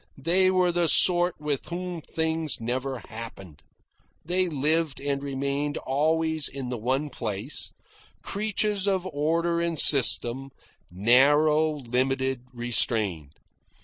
They were the sort with whom things never happened. They lived and remained always in the one place, creatures of order and system, narrow, limited, restrained.